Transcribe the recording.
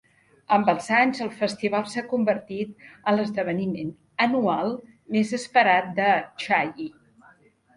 Amb els anys, el festival s'ha convertit en l'esdeveniment anual més esperat de Chiayi.